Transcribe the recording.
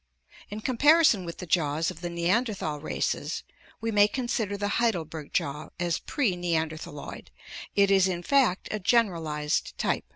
In comparison with the jaws of the Neanderthal races ... we may consider the Heidelberg jaw as pre Neanderthaloid; it is, in fact, a generalized type," ]1!